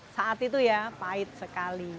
saat itu ya pahit sekali